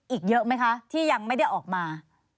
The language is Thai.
อีกเยอะไหมคะที่ยังไม่ได้ออกมา